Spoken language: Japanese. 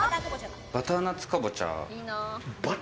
バターナッツカボチャ。